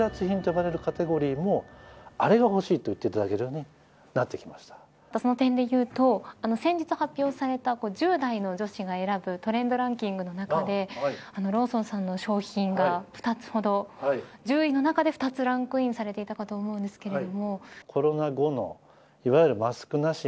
あれがほしいと言っていただけるようにその点でいうと先日発表された１０代の女子が選ぶトレンドランキングの中でローソンさんの商品が２つほど、１０位の中で２つランクインされていたと思うんですけど。